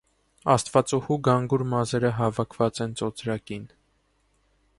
Աստվածուհու գանգուր մազերը հավաքված են ծոծրակին։